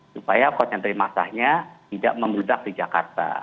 supaya koncentri masahnya tidak memudah di jakarta